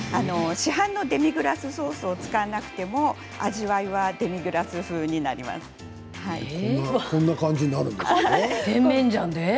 市販のデミグラスソースを使わなくても味わいは、デミグラス風こんな感じに甜麺醤で？